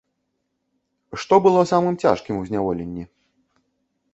Што было самым цяжкім у зняволенні?